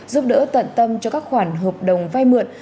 giúp đỡ tận tâm cho các khoản hợp đồng vay mượn